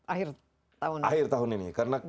akhir tahun ini akhir tahun ini karena